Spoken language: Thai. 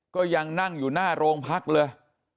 ก็ยังนั่งอยู่หน้าโรงพักเลย